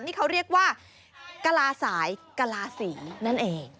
นี่เขาเรียกว่ากลาสายกลาศรีนั่นเอง